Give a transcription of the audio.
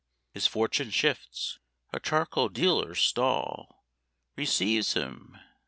His fortune shifts; a Charcoal dealer's stall Receives him.